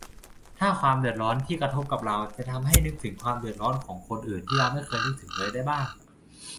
ถ้า 'ความเดือดร้อน' ที่กระทบกับเรา จะทำให้นึกถึงความเดือดร้อนของคนอื่นที่เราไม่เคยนึกถึงเลยได้บ้าง